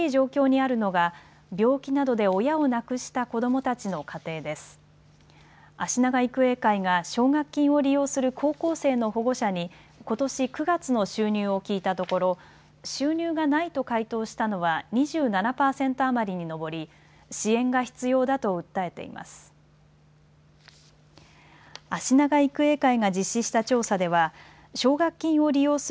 あしなが育英会が奨学金を利用する高校生の保護者にことし９月の収入を聞いたところ収入がないと回答したのは２７％余りに上り支援が必要だと訴えています。